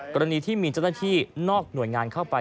กรณีที่มีเจ้าหน้าที่นอกหน่วยงานเข้าไป